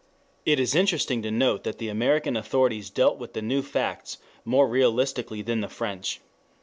It is interesting to note that the American authorities dealt with the new facts more realistically than the French.